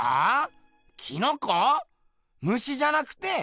虫じゃなくて？